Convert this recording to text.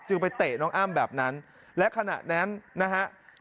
ไปเตะน้องอ้ำแบบนั้นและขณะนั้นนะฮะ